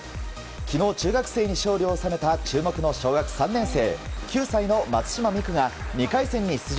昨日、中学生に勝利を収めた注目の小学３年生９歳の松島美空が２回戦に出場。